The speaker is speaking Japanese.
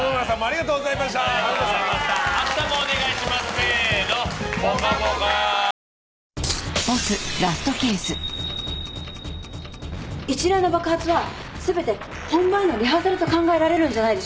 この一連の爆発は全て本番へのリハーサルと考えられるんじゃないでしょうか。